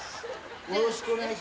よろしくお願いします。